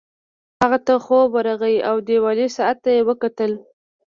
هغه ته خوب ورغی او دیوالي ساعت ته یې وکتل